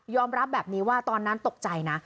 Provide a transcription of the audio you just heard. รับแบบนี้ว่าตอนนั้นตกใจนะ